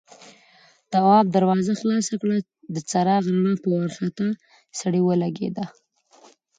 تواب دروازه خلاصه کړه، د څراغ رڼا په وارخطا سړي ولګېده.